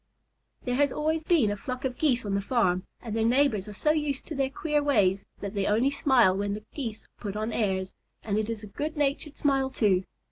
There has always been a flock of Geese on the farm, and their neighbors are so used to their queer ways that they only smile when the Geese put on airs, and it is a good natured smile, too.